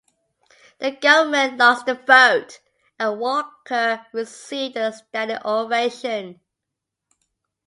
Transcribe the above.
The government lost the vote and Walker received a standing ovation.